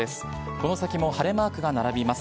この先も晴れマークが並びます。